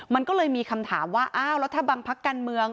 มันก็เลยมีคำถามว่าอ้าวแล้วถ้าบางพักการเมือง